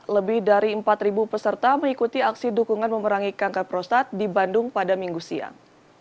lebih dari empat peserta mengikuti aksi dukungan memerangi kanker prostat di bandung pada minggu siang